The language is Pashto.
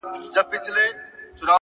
نور مينه نه کومه دا ښامار اغزن را باسم،